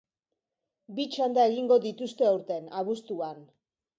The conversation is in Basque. Bi txanda egingo dituzte aurten, abuztuan.